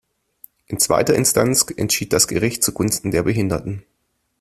In zweiter Instanz entschied das Gericht zugunsten der Behinderten.